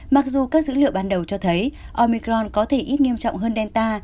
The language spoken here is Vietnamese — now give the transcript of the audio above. mặc dù các dữ liệu ban đầu cho thấy omicron có thể ít nghiêm trọng hơn delta